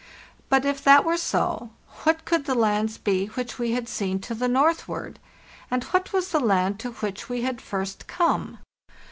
But, if that were so, what could the lands be which we had seen to the northward? And what was the land to which we had first come?